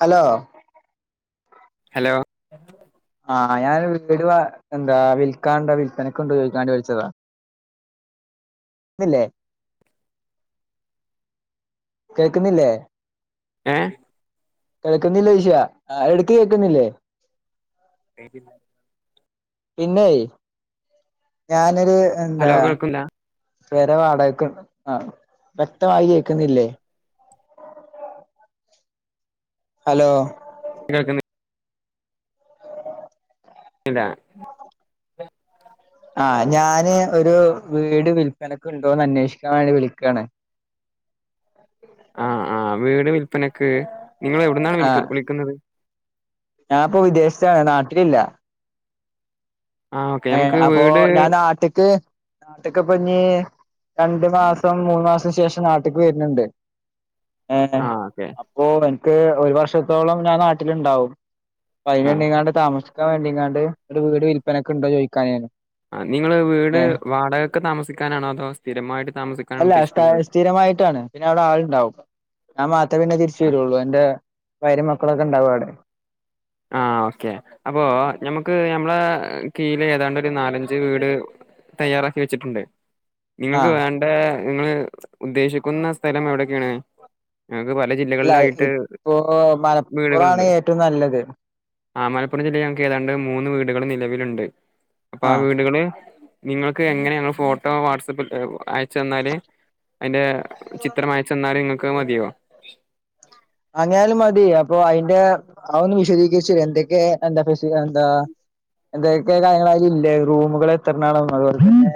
Hello hello ആഹ് ഞാൻ എന്തേലും വിൽക്കാണ്ടോ വിൽപ്പനക്ക്‌ണ്ടോ ചോയ്ക്കാ വേണ്ടി വിളിച്ചതാ ഇന്നില്ലേ കേക്കുന്നില്ലേ ഏഹ് കേക്കുന്നില്ലേ ചോയ്ച്ച എടുത്ത് കേക്കുന്നില്ലേ റേഞ്ച് ഇല്ല പിന്നെയ് ഞാനൊരു ഹലോ എന്താ കേൾക്കുല്ല പെര വാടകക്ക് ആ വ്യക്തമായി കേൾക്കുന്നില്ലേ ഹലോ കേൾക്കുന്നത് ഇല്ല ആഹ് ഞാന് ഒരു വീട് വില്പ്പനൊക്ക്‌ണ്ടോന്ന് അന്വേഷിക്കാൻ വേണ്ടി വിളിക്കാണ് ആഹ് ആഹ് വീട് വില്പ്പനക്ക്‌ നിങ്ങള് എവിടുന്നാണ് വിളിക്ക വിളിക്കുന്നത് ഞാൻ ഇപ്പോ വിദേശത്താണ് നാട്ടിലില്ല ആഹ് ഓക്കെ ഏഹ് നമുക്ക് അപ്പൊ വീട് ഞാൻ നാട്ട്ക്ക് നാട്ട്ക്ക് ഇപ്പൊ ഇഞ്ഞി രണ്ടു മാസം മൂന്ന് മാസം ശേഷം നാട്ട്ക്ക് വരുണുണ്ട് ഏഹ് ആഹ് ഓക്കെ അപ്പോ എനിക്ക് ഒരു വർഷത്തോളം ഞാൻ നാട്ടില്ണ്ടാവും അപ്പ അയ്ൻ ആഹ് വേണ്ടിങ്ങാണ്ട് താമസിക്കാൻ വേണ്ടിങ്ങാണ്ട് ഒരു വീട് വില്പ്പനക്ക്‌ ഇണ്ടോ ചോദിക്കാനെന്നു ആഹ് നിങ്ങള് വീട് വാടകക്ക്‌ താമസിക്കാനാണോ അതോ സ്ഥിരമായിട്ട് താമസിക്കാനാണോ അല്ല സ്ഥ ഉദ്ദേശിക്കുന്നത് സ്ഥിരമായിട്ടാണ് പിന്നെ അവിടെ ആൾണ്ടാവും ഞാൻ മാത്രമേ പിന്നെ തിരിച്ച് ആഹ് വരുള്ളൂ എന്റെ ഭാര്യയും മക്കളൊക്കെ ഇണ്ടാവും അവിടെ ആഹ് ഓക്കെ അപ്പൊ ഞമ്മക്ക് ഞമ്മളെ കീഴില് ഏതാണ്ട് ഒരു നാലഞ്ച് വീട് തയ്യാറാക്കി വെച്ചിട്ടുണ്ട് നിങ്ങൾക്ക് ആഹ് വേണ്ട നിങ്ങള് ഉദ്ദേശിക്കുന്ന സ്ഥലം എവിടക്കെയാണ് ഞങ്ങക്ക് പല ജില്ല യിലായി ഇപ്പോ മലപ്പുറാണ് ഏറ്റവും നല്ലത് ആഹ് മലപ്പുറം ജില്ലയി ഞങ്ങക്ക് ഏതാണ്ട് മൂന്ന് വീടുകള് നിലവിലുണ്ട് അപ്പൊ ആ ആഹ് വീടുകള് നിങ്ങൾക്ക് എങ്ങനെ ഞങ്ങള് ഫോട്ടോ വാട്സ് ആപ്പിൽ അയച്ചു തന്നാല് അയ്ന്റെ ചിത്രം അയ ച്ചു തന്നാല് നിങ്ങൾക്കത് മതിയോ അങ്ങാനായലും മതി അപ്പൊ അയ്ന്റെ അത് ഒന്ന് വിശദീകരിച്ച് തരി എന്തൊക്കെ എന്താ ഫെസി എന്താ എന്തൊക്കെ കാര്യങ്ങളാണ് അയിൽ ഇല്ലേ റൂമുകൾ എത്രണാണോ അതുപോലെ തന്നെ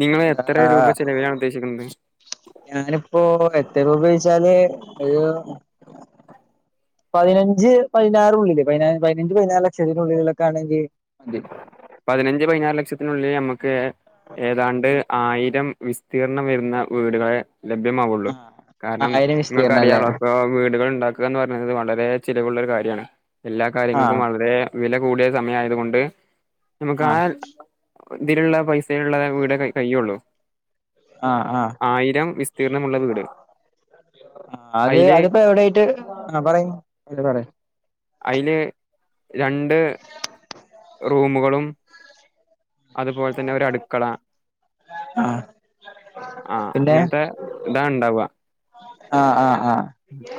നിങ്ങള് എത്ര രൂപ എന്താ ചെലവിലാണ് ഉദ്ദേശിക്കുന്നത് ഞാനിപ്പോ എത്ര രൂപ ചോദിച്ചാല് ഒരു പതിനഞ്ച് പതിനാറുള്ളില് പതിനഞ്ച് പതിനാറ് ലക്ഷത്തിനുള്ളിലൊക്കെ ആണെങ്കി മതി പതിനഞ്ച് പതിനാറ് ലക്ഷത്തിനുള്ളിൽ നമുക്ക് ഏതാണ്ട് ആയിരം വിസ് തീർണം വരുന്ന വീടുകളെ ലഭ്യമാവുള്ളൂ ആഹ് കാരണം ആയിരം വിസ്തീർണം അല്ലേ നിങ്ങൾക്കറിയാലോ അപ്പോ വീടുകൾ ഉണ്ടാക് ക്ക എന്ന് പറഞ്ഞാല് വളരെ ചിലവുള്ള ഒരു കാര്യണ് എല്ലാ കാര്യങ്ങൾക്കും ആഹ് വളരേ വില കൂടിയ സമയായതുകൊണ്ട് നമുക്ക് ആ ആഹ് ഇതിലുള്ള പൈസയുള്ള വീടെ കയ്യേള്ളു ആഹ് ആഹ് ആയിരം വിസ്തീർണമുള്ള വീട് അത് അയില് അതിപ്പോ എവിടായിട്ട് ആ പറയ് ഇല്ല പറയ് അയ്ല് രണ്ട് റൂമുകളും അതുപോലെ തന്നെ ഒരു അടുക്കള ആഹ് ആഹ് പിന്നെ അങ്ങൻത്തെ ഇതാ ഇണ്ടാവ. ആഹ് ആഹ് ആഹ്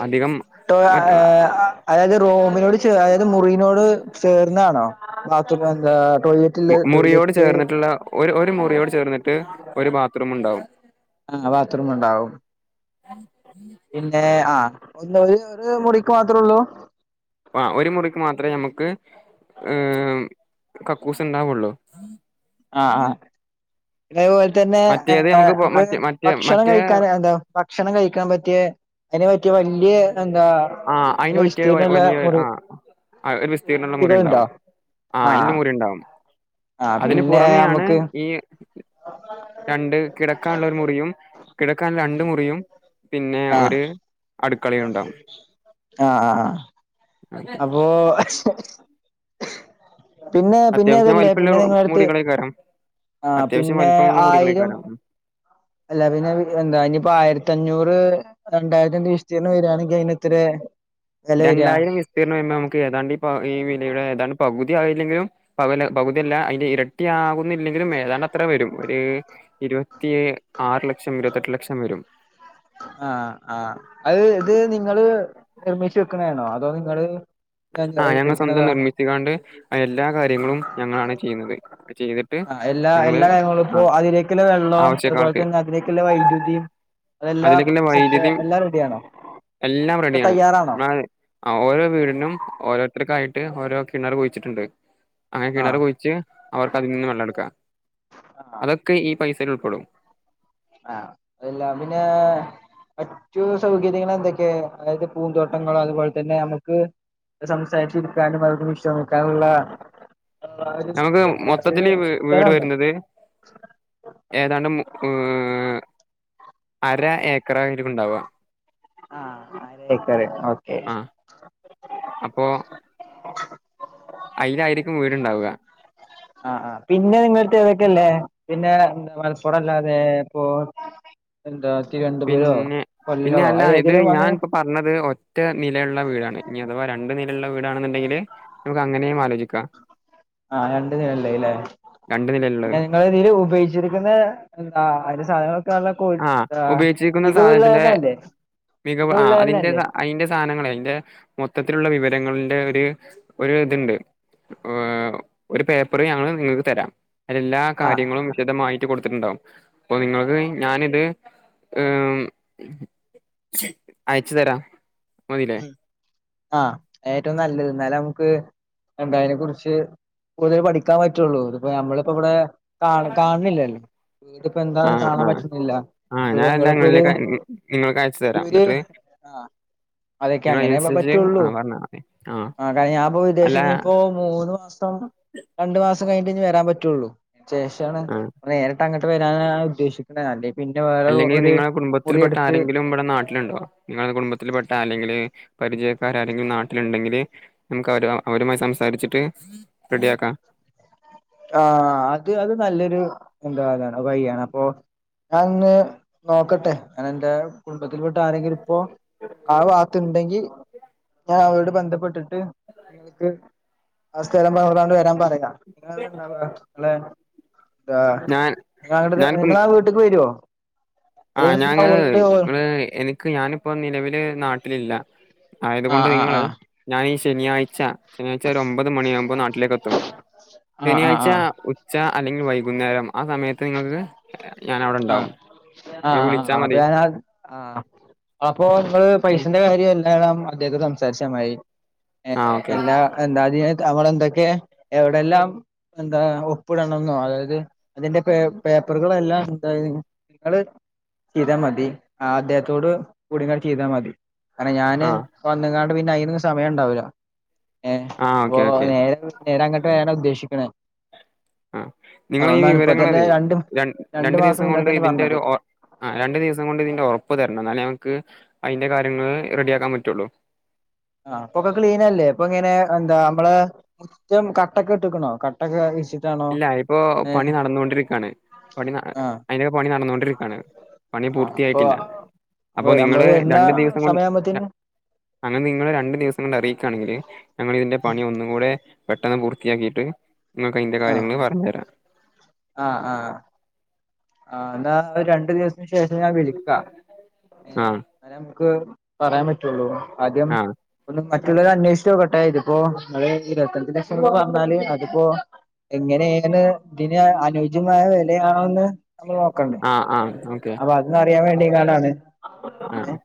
അധികം ട്ടോ മറ്റ [unintelligible] അതായത് റോമിനോട് ചേ അതായത് മുറിനോട് ചേർന്നാണോ ബാതും എന്ത ടോയ്ല മുറിയോട് ചേർന്നിട്ടുള്ള ഒരു ഒരു മുറിയോട് ചേർന്നിട്ട് ഒരു ബാത്റൂം ഉണ്ടാവും. ആഹ് ബാത്റൂം ഉണ്ടാവും. പിന്നെ ആ ഒന്ന് ഒരു ഒരു മുറിക്ക് മാത്രോള്ളൂ? ആഹ് ഒരു മുറിക്ക് മാത്രമേ ഞമ്മക്ക് ഏഹ് കക്കൂസ് ഇണ്ടാവുള്ളൂ. ആഹ് ആഹ് അതേപോൽ തന്നെ മറ്റേത് നമുക്ക് പോ നമ്മള് മറ്റേ മറ്റേ ഭക്ഷണം മറ്റേ കഴിക്കാൻ എന്താ ഭക്ഷണം കഴിക്കാൻ പറ്റിയെ അതിന് പറ്റിയ വല്ല്യേ എന്താ ആഹ് നല്ല അയ്ന് പറ്റിയ വ വിസ്തീർണള്ള വലിയ മുറി ആ ഒരു റൂ- വിസ്തീരണമുള്ള മുറി മുറികളുണ്ടോ ഇണ്ടാവും. ആഹ് ഇന്ന് മുറിണ്ടാവും. ആഹ് പിന്നെ അമ്മക്ക് ഈ രണ്ട് കിടക്കാനുള്ള ഒരു മുറിയും കിടക്കാൻ രണ്ട് മുറിയും പിന്നെ ആഹ് ഒര് അടുക്കളയും ഉണ്ടാവും. ഓ പിന്നെ പിന്നെ അത്യാവശ്യം അതല്ലേ വലിപ്പമുള്ള പിന്നെ നിങ്ങള അടുത്ത് മുറികളേക്കാരം ആഹ് അത്യാവശ്യം പിന്നെ വലിപ്പമുള്ള ആയിരം മുറികളേക്കാരം അല്ല പിന്നെ എന്താ ആയിരത്തഞ്ഞൂറ് രണ്ടായിരം ദീഷ്തിർണ വരു ണെങ്കിൽ അയിന് എത്രെ വെല വെര? വിസ്തീർണ്ണം [unintelligible] നമുക്ക് ഏതാണ്ട് ഈ പ ഈ വിലയുടെ ഏതാണ്ട് പകുതി ആയില്ലെങ്കിലും പകല പകുതിയല്ല അയിന്റെ ഇരട്ടി ആകുന്നില്ലെങ്കിലും ഏതാണ്ട് അത്ര വരും, ഒര് ഇരുപത്തി ആറ് ലക്ഷം ഇരുപത്തെട്ട് ലക്ഷം വരും. ആഹ് ആഹ് [unintelligible] ത് നിങ്ങള് നിർമ്മിച്ചു വെക്കുന്ന ആണോ അതോ നിങ്ങള് ആഹ് ഞങ്ങൾ സ്വന്തം മേടിക്കണതാ നിർമ്മിച്ച് കാണ്ട് എല്ലാ കാര്യങ്ങളും ഞങ്ങളാണ് ചെയ്യുന്നത്, അത് ചെയ്തി ആഹ് എല്ലാ എല്ലാ കാര്യങ്ങളും ഇപ്പോ അതിലേക് ല വെള്ളോ അതുപോൽ ആവശ്യക്കാർക്ക് തന്നെ അതി ക്ക്ല്ല വൈദ്യുതിയും അതെല്ലാം അതിലേക്കുള്ള സെറ്റ് വൈദ്യുതി എല്ലാം റെഡിയാണോ? എല്ലാം ഇപ്പ റെഡിയാണ് തയ്യാറാണോ? [unintelligible] ഓരോ വീടിനും ഓരോരുത്തർക്കായിട്ട് ഓരോ കിണറ് കുഴിച്ചിട്ടുണ്ട്. അങ്ങനെ കിണർ ആഹ് കുഴിച്ച് അവർക്ക് അതിൽ നിന്ന് വെള്ളടുക്കാം, ആഹ് അതൊക്കെ ഈ പൈസേൽ ഉൾപ്പെടും. ആഹ് അതെല്ലാം പിന്നെ മറ്റു സൗകര്യങ്ങൾ എന്തൊക്കെ അതായത് പൂന്തോട്ടങ്ങള് അതുപോലെ തന്നെ നമുക്ക് സംസാരിച്ചിരിക്കാനും [unintelligible] വിശ്രമിക്കാനുള്ള [unintelligible] ഒരു നമുക്ക് മൊത്തത്തിൽ വീട് സ്ഥലോണ്ടോ? വരുന്നത് ഏതാണ്ട് മു എഹ് അര ഏക്കറായിരിക്കും ഉണ്ടാവ. ആഹ് അര ഏക്കറ് ഓ ആഹ് അപ്പോ അയ്ലായിരിക്കും വീട്ണ്ടാവുക. ആഹ് ആഹ് പിന്നെ നിങ്ങട്ത്ത് ഇതൊക്കെല്ലേ പിന്നെ എന്താ മൽപ്പുറം അല്ലാതെ ഇപ്പോ എന്താ തിരുവനന്തപുരോ പിന്നെ പിന്നെ കൊല്ലോ അല്ല അയ് ഇത് ഏതേലും അങ്ങനെ ഞാനിപ്പോ പറഞ്ഞത് ഒറ്റ നിലയുള്ള വീടാണ്, ഇനി അഥവാ രണ്ട് നിലയുള്ള വീടാണെന്നുണ്ടെങ്കില് നമുക്ക് അങ്ങനെയും ആലോചിക്കാം, ആഹ് രണ്ട് നിലയില്ലേ രണ്ട് നിലയിള്ളത്. [unintelligible] ഉപയോഗിച്ചിരിക്കുന്ന എന്താ അതിന്റെ സാധനങ്ങളൊക്കെ [unintelligible] ആഹ് ഉപയോഗിച്ചിരിക്കുന്ന സാധനത്തിന്റെ മികവ് ആഹ് അതിന്റെ മികവുള്ളതന്നല്ലേ കാ അയിന്റെ സ് സാധാനങ്ങളെ അയിന്റെ മൊത്തത്തിലുള്ള വിവരങ്ങള്ന്റെ ഒരു ഒരു ഇതിണ്ട്. എഹ് ഒരു പേപ്പറ് ഞങ്ങള് നിങ്ങക്ക് തരാം. അതിൽ എല്ലാ ആഹ് കാര്യങ്ങളും ആഹ് വിശദമായിട്ട് കൊടുത്തിട്ടുണ്ടാവും അപ്പോ നിങ്ങൾക്ക് ആഹ് ഞാനിത് എം അയച്ചു തരാം. മതില്ലേ മ് ആഹ് ഏറ്റവും നല്ലത് എന്നാല നമുക്ക് എന്ത അതിനെ കുറിച്ച് കൂടുതൽ പഠിക്കാൻ പറ്റുള്ളൂ, ഇത് ഇപ്പ നമ്മളിപ്പോ ഇവടെ കാ കാണുന്നില്ലല്ലോ വീട് ഇപ്പം എന്താന്ന് കാണാൻ പറ്റുന്നില്ല ആഹ് നമ്മളിപ്പോ ഞാനെല്ലാം നിങ്ങളിപ്പോ ഒരു ഇങ്ങളിലേക്ക് നിങ്ങൾക്ക് അയച്ചു തരാം ഇവര് എന്നിട്ട് ആഹ്. അതൊക്കെ നിങ്ങൾ അങ്ങനെ ഇപ്പ അതിനനുസരിച്ച് ആ പറ്റുള്ളൂ പറഞ്ഞാൽ മതി ആ കാര ഞാൻപ്പൊ അല്ല വിദേശത്ത് ന്ന്പ്പോ ഇപ്പം മൂന്ന് മാസം രണ്ടു മാസം കഴിഞ്ഞിട്ടേ ഇഞ് വരാൻ പറ്റുള്ളു. ശേഷാണ് ആ നേരിട്ട് അങ്ങട്ട് വരാനാണ് ഉദ്ദേശിക്ക്ണെ അല്ലെ അല്ലെങ്കി നിങ്ങളെ കുടുംബത്തിൽ പെട്ട ആരെങ്കിലും ഇവടെ നാട്ടില്ണ്ടോ? നിങ്ങളുടെ കുടുംബത്തിൽ പെട്ട അല്ലെങ്കില് പരിചയക്കാര് ആരെങ്കിലും നാട്ടില്ണ്ടെങ്കില് നമുക്ക് അവര് അവരുമായി സംസാരിച്ചിട്ട് റെഡിയാക്കാ. ആഹ് അത് അത് നല്ലൊരു എന്താണ് വയിയാണ്. അപ്പൊ ഞാൻ ഇന്ന് നോക്കട്ടെ ഞാനെന്റെ കുടുംബത്തിൽപ്പെട്ട ആരെങ്കിലും ഇപ്പോ ആ ഭാത്തുണ്ടെങ്കി ഞാൻ അവരോട് ബന്ധപ്പെട്ടിട്ട് നിങ്ങക്ക് ആ സ്ഥലം പർഞൊട്താണ്ട് വരാൻ പറയാ. ഇങ്ങള് എവിടെണ്ടാവാ, ഇങ്ങള് എന്താ ഞാൻ ഇനി അങ്ങട്ട് നിങ്ങളാ വീട്ട് ക്ക് വരോ? ആഹ് അല്ലെങ്കി ഞാ നിങ്ങ ങ് ഓലോട് ഇങ്ങള് എനി ക്ക് ഞാനിപ്പം നിലവില് നാട്ടിലില്ല. ആ ആയതുകൊണ്ട് ആ നിങ്ങള് ആ ഞാനീ ശനിയാഴ്ച ശനിയാഴ്ച ഒരു ഒമ്പത് മണിയാകുമ്പം നാട്ടിലേക്കെത്തും. ആ ആ ശനിയാഴ്ച ആ ഉ ച്ച അല്ലെങ്കി വൈകുന്നേരം ആ സമയത്ത് നിങ്ങൾക്ക് ഞാനവിടെ ഉണ്ടാവും. നിങ്ങൾ ആഹ് ആഹ് വിളിച്ചാൽ ആഹ് മതി അപ്പൊ ഞാനാ ആഹ് അപ്പൊ നിങ്ങള് പൈസന്റെ കാര്യ [unintelligible] അദ്ദേഹത്തെ സംസാരിച്ചാമതി ആ ഏഹ് ഓക്കെ എല്ലാ എന്താ അതിങ്ങക്ക് നമ്മളെന്തൊക്കെ എവിടെയല്ലാം എന്താ ഒപ്പിടണംന്നോ അതായത് അതിന്റെ പേ പേപ്പറുകളെല്ലാം അതായത് നിങ്ങള് ചെയ്താ മതി ആ അദ്ദേഹത്തോട് കൂടി നിങ്ങൾ ചെയ്താ മതി കാര്ണം ഞാന് ആ വന്ന് ങ്ങാണ്ട് പിന്നെ അയിന്ന് സമയം ഉണ്ടാവൂല. ഏഹ് ആ അപ്പൊ ഓക്കെ ഓക്കെ നേരെ നേരെ അങ്ങട്ട് വരാനാ ഉദ്ദേശിക്ക്ണ. ആഹ് നിങ്ങളീ വിവരങ്ങളതെ രണ്ട് ര രണ്ടു മാസം ദിവസം മുന്നേ കൊണ്ട് തന്നെ ഇതിന്റെ പറഞ്ഞത് ഒരു ഒ ആഹ് രണ്ട് ദിവസം കൊണ്ട് ഇതിന്റെ ഉറപ്പ് തരണം. എന്നാലേ ഞമുക്ക് അയിന്റെ കാര്യങ്ങൾ റെഡി ആക്കാൻ പറ്റുള്ളൂ. ആഹ് അപ്പൊക്കെ ക്ലീനല്ലേ. ഇപ്പൊ ഇങ്ങനെ എന്താ നമ്മളെ മുറ്റം കട്ടെക്കെ ഇട്ട് ക്ണോ? ക ട്ടക്കെ വിരിച്ചിട്ടാണോ ഇല്ല ഇപ്പോ പണി ഏഹ് നടന്നോണ്ടിരിക്കാണ്. പണി ആഹ് അയിന്റെക്കെ പണി നടന്നൊണ്ടിരിക്ക ണ്. പണി ആഹ് അപ്പൊ പൂർത്തിയായിട്ടില്ല. അപ്പൊ നിങ്ങള് നമ്മള് വരുന്ന രണ്ട് ദിവസം കൊ സമയാവുമ്പത്തേന് അങ്ങനെ നിങ്ങള് രണ്ടു ദിവസം കൊണ്ട് അറിയിക്കാണെങ്കില് ഞങ്ങള് ഇതിന്റെ പണി ഒന്നും കൂടെ പെട്ടെന്ന് പൂർത്തിയാക്കിയിട്ട് നിങ്ങക്ക് അയിന്റെ ആഹ് കാര്യങ്ങള് പറഞ്ഞരാ. ആഹ് ആഹ് ആഹ് ന്നാ രണ്ടു ദിവസത്തിന് ശേഷം ഞാൻ വിളിക്കാ. ആ ഏഹ് ഇന്നാല് നമക്ക് പറയാൻ പറ്റൊള്ളൂ ആദ്യം ആ ഒന്ന് മറ്റുള്ളവരെ അന്വേഷിച്ചോക്കട്ടെ. ഇതിപ്പോ ഇങ്ങള് ഇരുപത്തിര ലക്ഷം രൂപ പറഞ്ഞാല് അതിപ്പോ എങ്ങനേണ് തിന് അനുയോജ്യമായ വിലയാണോന്ന് നമ്മൾ നോക്കണ്ടേ ആ ആ ഓക്കെ അപ്പൊ അതൊന്ന് അറിയാൻ വേണ്ടിങ്ങാണ്ടാണ് ആ ഏഹ്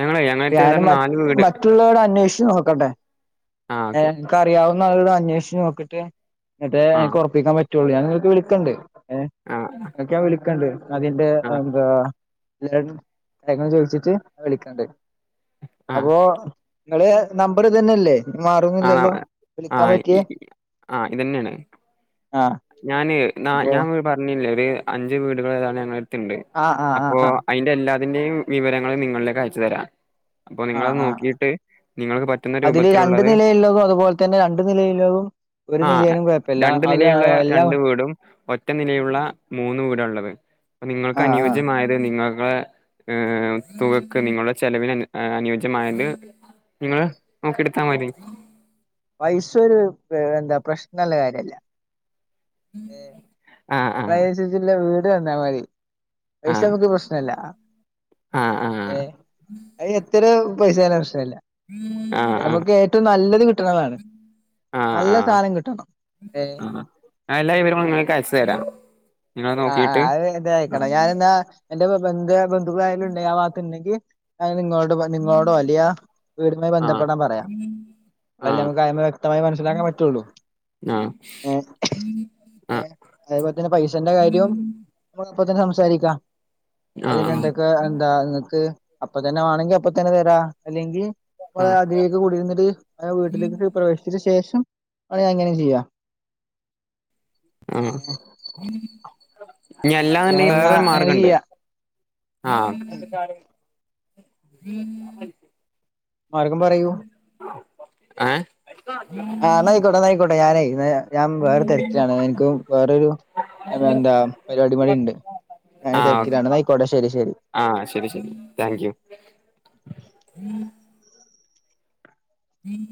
ഞങ്ങളെ ഞങ്ങത്തെ ഞാൻ ഏതാണ്ട് മ നാല് വീട് മ റ്റുള്ളവരോട് അന്വേഷിച്ച് നോക്കട്ടെ ആ ഓക്കെ ഏഹ് ഇൻക്ക് അറിയാവുന്ന ആളോട് അന്വേഷിച്ച് നോക്കിട്ട് ഇന്നട്ടെ ആ ഇൻക്ക് ഉറപ്പിക്കാൻ പറ്റൊള്ളൂ. ഞാൻ നിങ്ങക്ക് വിളിക്കണ്ട് ഏഹ് ആഹ് ക്ക് ഞാൻ വിളിക്കണ്ട് അതിന്റെ എന്താ എല്ലാരോടും കാര്യങ്ങൾ ചോദിച്ചിട്ട് ഞാൻ വിളിക്കണ്ട്. ആ അപ്പോ ഇങ്ങള് നമ്പർ ഇതന്നല്ലേ? ആണ് ആഹ് ഇ ആഹ് ഇതന്നേണ്. ആഹ് ഞാന് അപ്പൊ ഞാൻ ഇങ്ങളോട് പറഞ്ഞില്ലേ ഒരു അഞ്ച് വീടുകൾ ഏതാണ്ട് ഞങ്ങളട്ത്ത്ണ്ട്. ആഹ് ആഹ് ആഹ് അപ്പോ അയി ൻ്റെ എല്ലാതിന്റെയും വിവരങ്ങള് നിങ്ങളിലേക്ക് അയച്ചു തരാം. അപ്പൊ ആഹ് നിങ്ങളത് ആഹ് ആഹ് നോക്കിയിട്ട് നിങ്ങൾക്ക് പറ്റുന്ന രൂപത്തിലുള്ളത് എല്ലതും അതുപോലെ തന്നെ രണ്ട് നിലയില്ലതും ഒരു ആ നിലയിലും കുഴപ്പമില്ല രണ്ട് അത് നിലയുള്ള എല്ലാം രണ്ട് വീടും ഒറ്റ നിലയുള്ള മൂന്ന് വീടാള്ളത് നിങ്ങൾക്ക് ആഹ് ആഹ് അനുയോജ്യമായത് നിങ്ങളൊ ഏഹ് തുകക്ക് നിങ്ങളുടെ ചെലവിൽ അനുയോജ്യമായ് നിങ്ങൾ നോക്കി ഇടു ത്താ മതി പൈസ ഒരു എന്താ പ്രശ്നള്ള കാര്യല്ല ആഹ് ആഹ് [unintelligible] വീട് കണ്ടാ മതി പൈസ ആഹ് നമ്മുക്ക് പ്രശ്നല്ല ആഹ് ഏഹ് അത് എത്രരു പൈസേനെ പ്രശ്നല്ല ആഹ് ആഹ് നമുക്ക് ഏറ്റവും നല്ലത് കിട്ടണതാണ് ആഹ് ആഹ് നല്ല സാധം കിട്ടണം ഏഹ് അല്ല ഇവരങ്ങളുംങൾക്ക് അയച്ചു തരാം നിങ്ങള് ആഹ് ആഹ് നോക്കിട്ട് അത് ഇത് ആയക്കണം ആഹ് ഞാനിന്നാ എന്റെ ബന്ധ ബന്ധുക്കളായാലുംണ്ടാ ആഹ് ഭാത്തുണ്ടെങ്കിൽ ഞാൻ നിങ്ങളോട് നിങ്ങളോട് വലിയ വീടുമായി ആഹ് ബന്ധപ്പെടാൻ പറയാം അതല്ലേ ആഹ് നമുക്ക് അയ്ന്ന് വ്യക്തമായി മനസിലാക്കാൻ പറ്റുള്ളൂ ആഹ് ഏഹ് ആഹ് എന്റെ കാര്യവും മ്മുൻപതനേ തന്നെ സംസാരിക്കാം അതിന് ആഹ് എന്തൊക്കെ എന്താ നിങ്ങക്ക് അപ്പൊ തന്നെ വാണെങ്കി അപ്പ തന്നെ തരാ അല്ലെങ്കിൽ ആഹ് ചൊയ്ത് കുടിരുന്നിട് വീട്ടിലേക്ക് പ്രവേശിച്ചട് ശേഷം ആഹ് അങ്ങനെ ചെയ്യാം ആഹ് ഏഹ് ഇനി ഞല്ലാ നുടകി ഞാനെന്നാ വോറൊരു അങ്ങനെ മാർഗ്ഗണ്ട് ചെയ്യാ ആഹ് മാർഗം പറയൂ ഏഹ് ആഹ് നയിക്കോട്ടെ നയിക്കോട്ടെ ഞാനായി ഞാൻ വേറെ തിരക്കിലാണ് എനിക്കും വേറരു അഹ് എന്താ പരിപാടിപടി ഉണ്ട് ഞാൻ ആഹ് ഓക്കെ തിരക്കിലാണ് നയിക്കോട്ടെ ശരി ശരി ആഹ് ശരി ശരി താങ്ക് യു [inaudible]